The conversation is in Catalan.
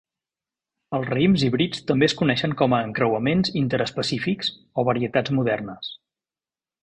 Els raïms híbrids també es coneixen com a encreuaments interespecífics o varietats modernes.